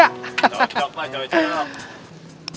jauh jauh pak jauh jauh